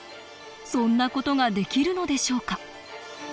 そんな事ができるのでしょうか。